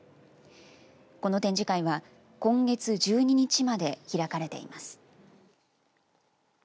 この展示会は今月１２日まで開かれています。